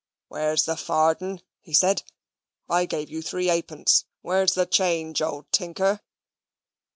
"Where's the farden?" said he. "I gave you three halfpence. Where's the change, old Tinker?"